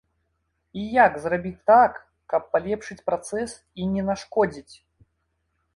І як зрабіць так, каб палепшыць працэс і не нашкодзіць?